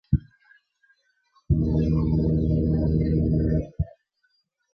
Why Stalin?